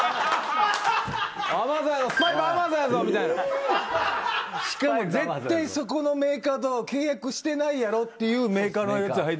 「Ａｍａｚｏｎや」しかも絶対そこのメーカーと契約してないやろっていうメーカーのやつ